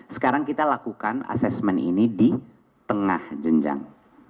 sekarang kita lakukan assessment ini di tengah jenjang